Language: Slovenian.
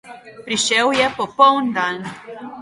Prišel je popoln dan.